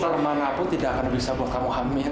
dokter manapun tidak akan bisa buat kamu hamil